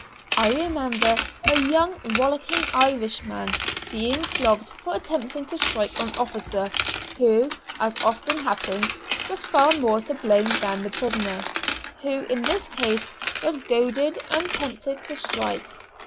I remember a young rollicking Irishman being flogged for attempting to strike an officer, who, as often happens, was far more to blame than the prisoner, who in this case was goaded and tempted to strike.